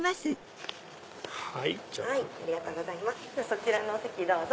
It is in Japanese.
そちらのお席どうぞ。